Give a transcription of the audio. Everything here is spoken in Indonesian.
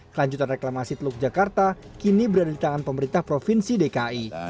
kelanjutan reklamasi teluk jakarta kini berada di tangan pemerintah provinsi dki